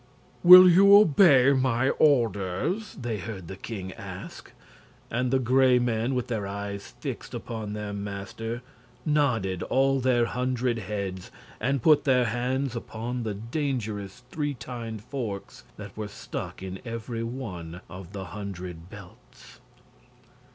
"Will you obey my orders?" they heard the king ask. And the Gray Men, with their eyes fixed upon their master, nodded all their hundred heads and put their hands upon the dangerous three tined forks that were stuck in every one of the hundred belts.